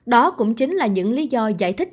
đó cũng chính là những lý do giải thích